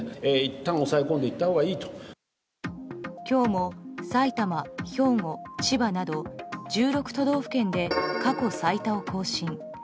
今日も埼玉、兵庫、千葉など１６都道府県で過去最多を更新。